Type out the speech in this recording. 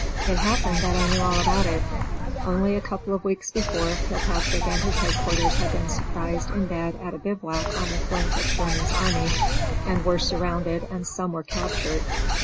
It happened that I knew all about it. Only a couple of weeks before Kilpatrick and his headquarters had been surprised in bed at a bivouac on the flank of Sherman's army, and were surrounded and some were captured.